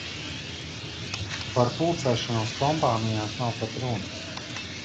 Par pulcēšanos kompānijās nav pat runas.